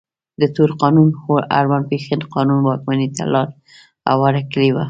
د تور قانون اړوند پېښې قانون واکمنۍ ته لار هواره کړې وه.